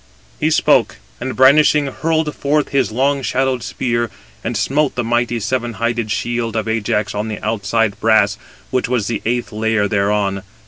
He spoke, and brandishing hurled forth his long shadowed spear, and smote the mighty seven hided shield of Ajax on the outside brass, which was the eighth [layer] thereon.